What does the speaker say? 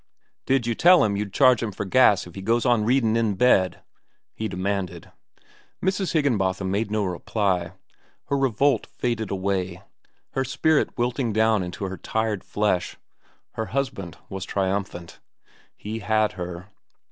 "Did you tell 'm you'd charge him for gas if he goes on readin' in bed?" he demanded. Mrs. Higginbotham made no reply. Her revolt faded away, her spirit wilting down into her tired flesh. Her husband was triumphant. He had her.